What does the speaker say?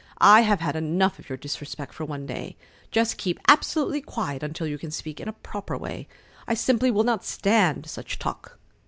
I have had enough of your disrespect for one day. Just keep absolutely quiet until you can speak in a proper way. I simply will not stand such talk."